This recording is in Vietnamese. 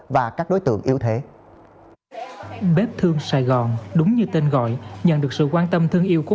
và các đối tượng yếu thế bếp thương sài gòn đúng như tên gọi nhận được sự quan tâm thương yêu của